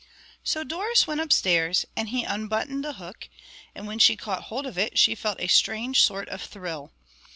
So Doris went upstairs, and he unbuttoned the hook, and when she caught hold of it she felt a strange sort of thrill.